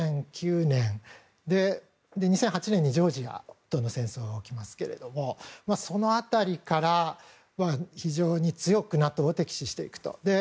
２００８年にジョージアとの戦争が起きますがその辺りから非常に強くＮＡＴＯを敵視していくと。